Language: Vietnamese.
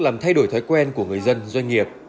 làm thay đổi thói quen của người dân doanh nghiệp